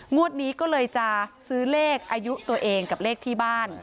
งวดนี้ก็เลยจะซื้อเลขอายุตัวเองกับเลขที่บ้าน